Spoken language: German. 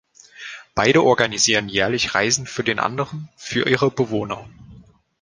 Beide organisieren jährliche Reisen für den anderen, für ihre Bewohner.